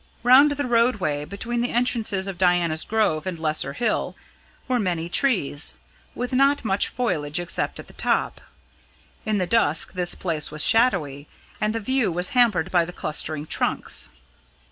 Round the roadway between the entrances of Diana's Grove and Lesser Hill were many trees, with not much foliage except at the top. In the dusk this place was shadowy, and the view was hampered by the clustering trunks.